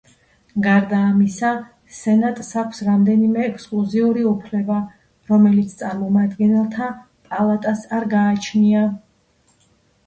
გარდა ამისა სენატს აქვს რამდენიმე ექსკლუზიური უფლება რომელიც წარმომადგენელთა პალატას არ გააჩნია.